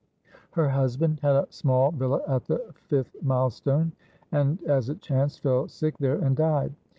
Her husband had a small villa at the fifth milestone, and, as it chanced, fell sick there and died.